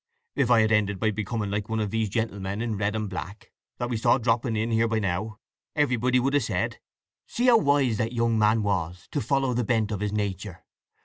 If I had ended by becoming like one of these gentlemen in red and black that we saw dropping in here by now, everybody would have said: 'See how wise that young man was, to follow the bent of his nature!